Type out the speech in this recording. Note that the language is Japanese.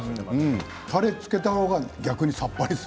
たれをつけた方が逆にさっぱりする。